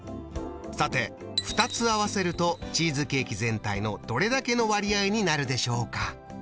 さて２つ合わせるとチーズケーキ全体のどれだけの割合になるでしょうか？